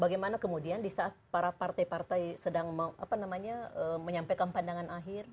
bagaimana kemudian di saat para partai partai sedang mau apa namanya menyampaikan pandangan akhir